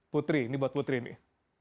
putri ini buat putri ini